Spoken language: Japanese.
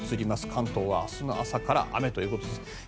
関東は明日の朝から雨ということです。